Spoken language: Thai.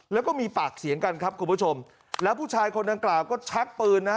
แล้วก็มีปากเสียงกันครับคุณผู้ชมแล้วผู้ชายคนดังกล่าวก็ชักปืนนะฮะ